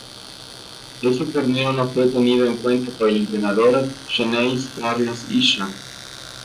Ese torneo no fue tenido en cuenta por el entrenador xeneize Carlos Ischia.